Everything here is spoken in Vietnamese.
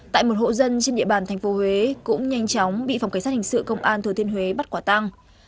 tại một hộ dân trên địa bàn tp huế cũng nhanh chóng bị phòng cảnh sát hình sự công an thừa thiên huế bắt quả tăng